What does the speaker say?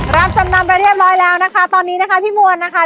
รับจำนำไปเรียบร้อยแล้วนะคะตอนนี้นะคะพี่มวลนะคะ